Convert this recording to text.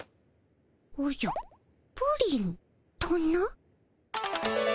おじゃプリンとな。